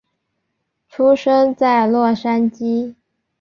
出生在洛杉矶。